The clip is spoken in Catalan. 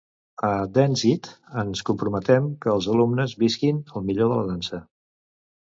A Dance It ens comprometem que els alumnes visquin el millor de la dansa.